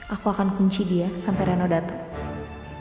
aku akan kunci dia sampai reno datang